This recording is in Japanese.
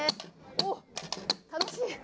おっ、楽しい！